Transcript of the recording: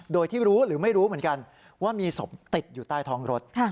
โดยที่รู้หรือไม่รู้เหมือนกันว่ามีศพติดอยู่ใต้ท้องรถ